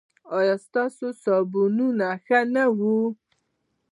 ایا ستاسو صابون به ښه نه وي؟